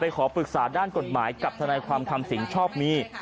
ขอปรึกษาด้านกฎหมายกับทนายความทำสิ่งชอบมี